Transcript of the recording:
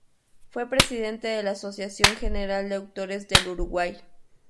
Fue presidente de la Asociación General de Autores del Uruguay.